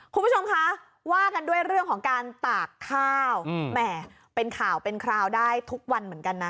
คุณผู้ชมคะว่ากันด้วยเรื่องของการตากข้าวแหมเป็นข่าวเป็นคราวได้ทุกวันเหมือนกันนะ